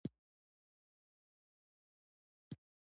موږ لږه شیبه ورته انتظار وکړ.